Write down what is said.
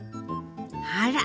あら！